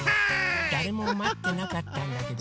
あのだれもまってなかったんだけど。